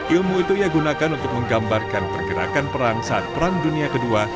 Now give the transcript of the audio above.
ilmu itu ia gunakan untuk menggambarkan pergerakan peran saat perang dunia ii